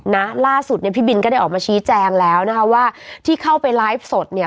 นะล่าสุดเนี่ยพี่บินก็ได้ออกมาชี้แจงแล้วนะคะว่าที่เข้าไปไลฟ์สดเนี่ย